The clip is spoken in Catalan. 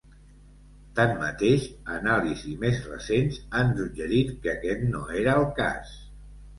Tanmateix, anàlisis més recents han suggerit que aquest no era el cas.